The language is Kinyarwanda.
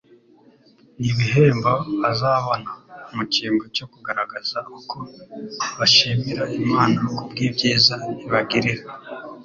n'ibihembo bazabona, mu cyimbo cyo kugaragaza uko bashimira Imana kubw'ibyiza ibagirira.